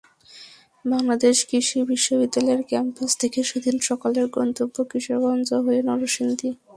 বাংলাদেশ কৃষি বিশ্ববিদ্যালয়ের ক্যাম্পাস থেকে সেদিন সকালের গন্তব্য কিশোরগঞ্জ হয়ে নরসিংদী।